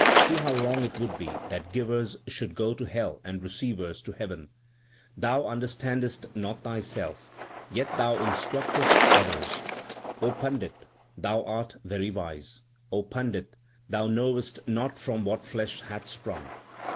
See how wrong it would be that givers should go to hell and receivers to heaven. Thou understandest not thyself, yet thou instructest others ; O Pandit, thou art very wise !! Pandit, thou knowest not from what flesh hath sprung.